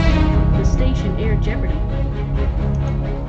The station aired Jeopardy!